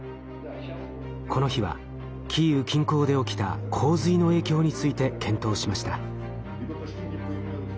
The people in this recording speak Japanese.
この日はキーウ近郊で起きた洪水の影響について検討しました。